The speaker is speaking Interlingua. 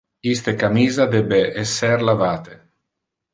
Iste camisa debe esser lavate.